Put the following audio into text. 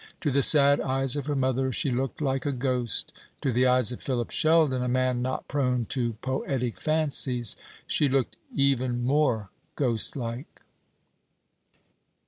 To the sad eyes of her mother she looked like a ghost. To the eyes of Philip Sheldon, a man not prone to poetic fancies, she looked even more ghostlike.